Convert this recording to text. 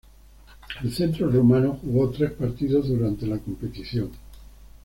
El centro rumano jugó tres partidos durante la competición.